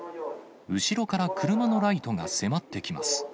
後ろから車のライトが迫ってきます。